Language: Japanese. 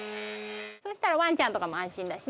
そしたらワンちゃんとかも安心だしね。